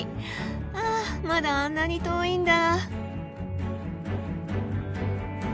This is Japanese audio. あまだあんなに遠いんだ。